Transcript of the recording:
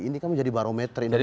ini kan menjadi barometer indonesia